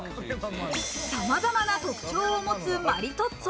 さまざまな特徴を持つマリトッツォ。